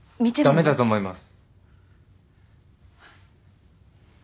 駄目だと思います。